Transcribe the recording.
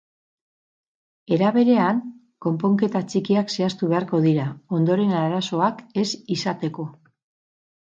Era berean, konponketa txikiak zehaztu beharko dira, ondoren arazoak ez izateko.